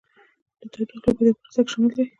د تودوخې لیږد په دې پروسه کې شامل دی.